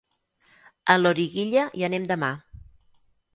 A Loriguilla hi anem demà.